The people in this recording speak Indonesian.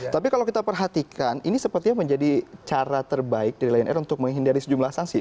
tapi kalau kita perhatikan ini sepertinya menjadi cara terbaik dari lion air untuk menghindari sejumlah sanksi